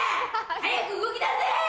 早く動き出せ！